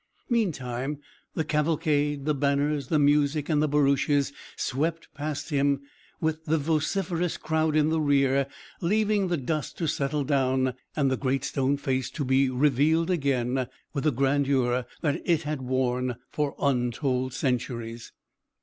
Meantime, the cavalcade, the banners, the music, and the barouches swept past him, with the vociferous crowd in the rear, leaving the dust to settle down, and the Great Stone Face to be revealed again, with the grandeur that it had worn for untold centuries.